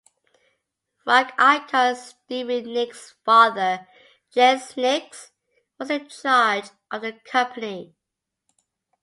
Rock icon Stevie Nicks' father, Jess Nicks, was in charge of the company.